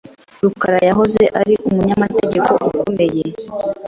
rukarayahoze ari umunyamategeko ukomeye.